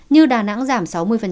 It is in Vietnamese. như đà nẵng giảm sáu mươi